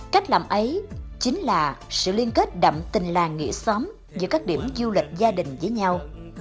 cách làm ấy chính là sự liên kết đậm tình làng nghĩa xóm giữa các điểm du lịch gia đình với nhau